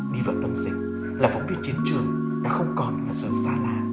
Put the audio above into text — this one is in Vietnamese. đi vỡ tâm dịch là phóng viên chiến trường đã không còn ở sở xa lạ